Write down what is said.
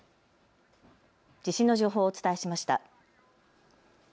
地震の情報をお伝えしました。